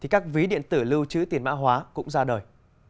các ví điện tử lưu trữ tiền mã hóa cũng ra đời